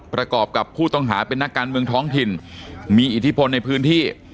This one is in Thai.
ประกอบกับผู้ต้องหาเป็นนักการเมืองท้องถิ่นมีอิทธิพลในพื้นที่